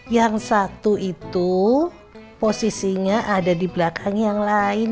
yang satu itu posisinya ada di belakangnya yang lain